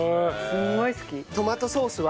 すんごい好き。